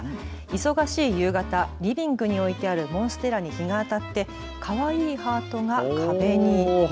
忙しい夕方、リビングに置いてあるモンステラに日が当たってかわいいハートが壁に。